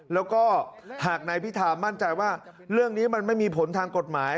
แล้วก็หากนายพิธามั่นใจว่าเรื่องนี้มันไม่มีผลทางกฎหมาย